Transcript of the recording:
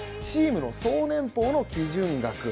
チームの総年俸の基準額。